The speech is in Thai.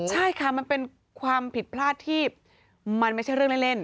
ใช่ค่ะมันเป็นความผิดพลาดที่มันไม่ใช่เรื่องเล่น